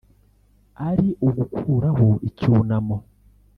ari ugukuraho icyunamo